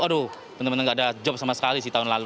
aduh benar benar nggak ada job sama sekali sih tahun lalu